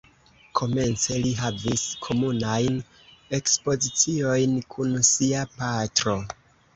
Komence li havis komunajn ekspoziciojn kun sia patro.